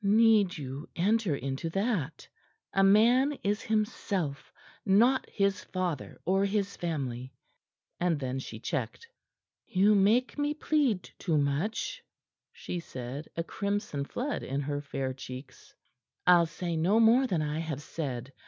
"Need you enter into that? A man is himself; not his father or his family." And then she checked. "You make me plead too much," she said, a crimson flood in her fair cheeks. "I'll say no more than I have said.